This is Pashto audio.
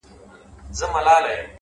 هره تجربه د پوهې نوی رنګ لري؛